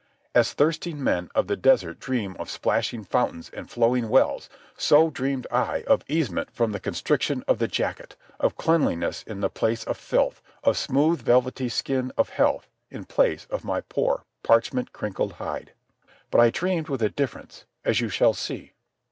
As thirsting men on the desert dream of splashing fountains and flowing wells, so dreamed I of easement from the constriction of the jacket, of cleanliness in the place of filth, of smooth velvety skin of health in place of my poor parchment crinkled hide. But I dreamed with a difference, as you shall see.